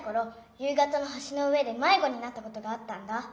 夕方の橋の上で迷子になったことがあったんだ。